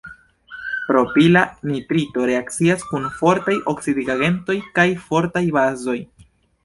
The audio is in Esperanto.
Propila nitrito reakcias kun fortaj oksidigagentoj kaj fortaj bazoj.